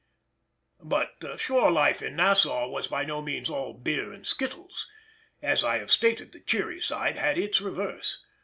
But shore life in Nassau was by no means "all beer and skittles." As I have stated, the cheery side had its reverse.